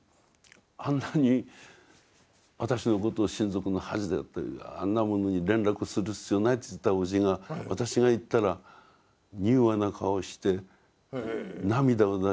あんなに私のことを親族の恥だとあんな者に連絡する必要ないって言ってたおじが私が行ったら柔和な顔して涙を出してしかも。